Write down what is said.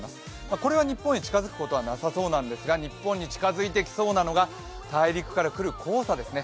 これは日本へ近づくことはなさそうなんですが、日本に近づいてきそうなのが、大陸から来る黄砂ですね。